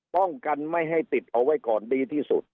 ป้องกันไม่ให้ติดเอาไว้ก่อนดีที่สุด